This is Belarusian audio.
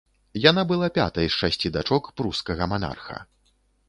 Яна была пятай з шасці дачок прускага манарха.